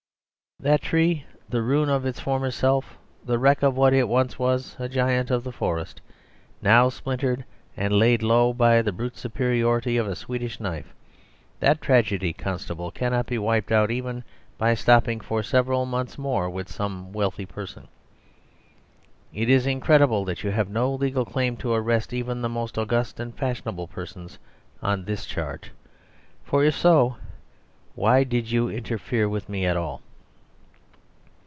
That tree, the ruin of its former self, the wreck of what was once a giant of the forest, now splintered and laid low by the brute superiority of a Swedish knife, that tragedy, constable, cannot be wiped out even by stopping for several months more with some wealthy person. It is incredible that you have no legal claim to arrest even the most august and fashionable persons on this charge. For if so, why did you interfere with me at all?"